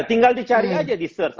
tinggal dicari aja di search